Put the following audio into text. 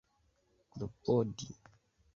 klopodi